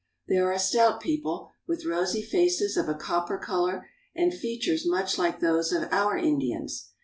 They are a stout people with rosy faces of a copper color, and features much like those of our Indians.